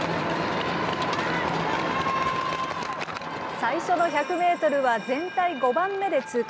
最初の１００メートルは全体５番目で通過。